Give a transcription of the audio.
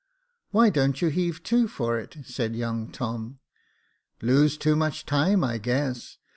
" Why don't you heave to for it ?" said young Tom. Lose too much time, I guess.